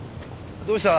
どうした？